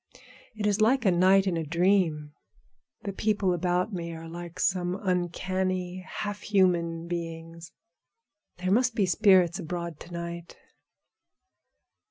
It is like a night in a dream. The people about me are like some uncanny, half human beings. There must be spirits abroad to night."